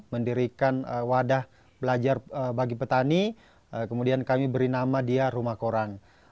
mendirikan wadah belajar bagi petani kemudian kami beri nama dia rumah koran